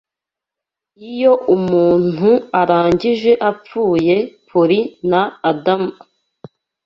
Iyo umuntu arangije apfuye Polly na Adam